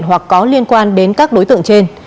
hoặc có liên quan đến các đối tượng trên